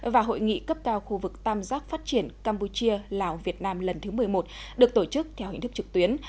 và hội nghị cấp cao khu vực tam giác phát triển campuchia lào việt nam lần thứ một mươi một được tổ chức theo hình thức trực tuyến